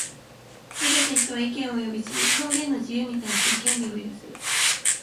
すべて人は、意見及び表現の自由に対する権利を有する。